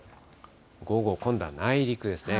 午後、今度は内陸ですね。